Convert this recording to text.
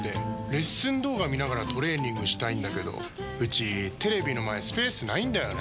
レッスン動画見ながらトレーニングしたいんだけどうちテレビの前スペースないんだよねー。